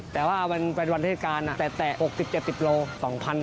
แต่ว่าวันวันเทศกาลแต่๖๐๗๐โลกรัม